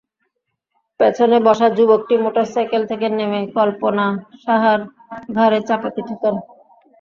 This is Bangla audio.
পেছনে বসা যুবকটি মোটরসাইকেল থেকে নেমে কল্পনা সাহার ঘাড়ে চাপাতি ঠেকান।